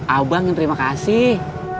abang yang terima kasih